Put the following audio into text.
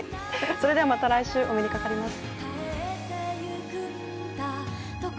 それではまた来週、お目にかかります。